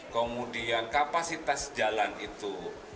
kemudian kapasitas jalan itu